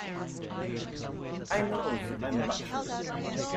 I knows I'm a luxury.